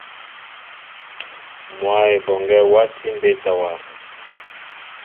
Mwă Eboŋgue wati mbétawa.